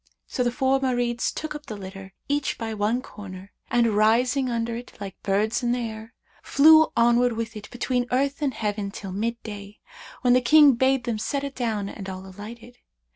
So the four Marids took up the litter, each by one corner, and rising under it like birds in air, flew onward with it between earth and heaven till mid day, when the King bade them set it down and all alighted.